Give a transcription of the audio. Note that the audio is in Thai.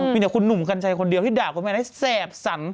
มีแต่คุณหนุ่มกัญชัยคนเดียวที่ด่าคุณแม่นั้นแสบสัน